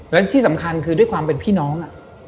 และที่สำคัญคือด้วยความเป็นพี่น้อง